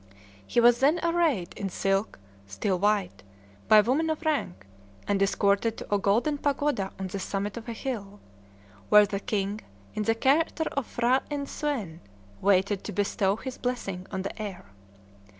He was then arrayed in silk, still white, by women of rank, and escorted to a golden pagoda on the summit of the hill, where the king, in the character of P'hra Inn Suen, waited to bestow his blessing on the heir.